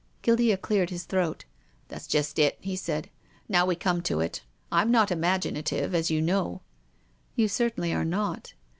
Guildea cleared his throat. " That's just it," he said, " now wc come to it. Fm not imaginative, as you know." " You certainly are not."